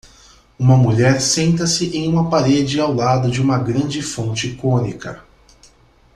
Uma mulher senta-se em uma parede ao lado de uma grande fonte cônica.